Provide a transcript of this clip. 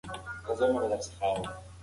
که مورنۍ ژبه وي، نو زده کړه به پیچلې نه سي.